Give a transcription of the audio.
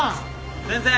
先生